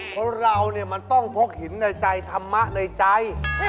คนเรามันต้องพกหินในใจธรรมะในใจ